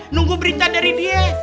nunggu berita dari dia